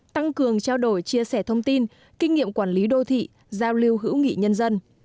tăng cường trao đổi chia sẻ thông tin kinh nghiệm quản lý đô thị giao lưu hữu nghị nhân dân